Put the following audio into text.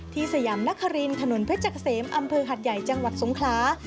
สยามนครินถนนเพชรเกษมอำเภอหัดใหญ่จังหวัดสงคลา